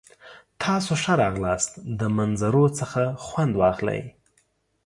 تاسو ښه راغلاست. د منظرو څخه خوند واخلئ!